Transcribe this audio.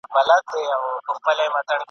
کډي باریږي مېني سوې توري ..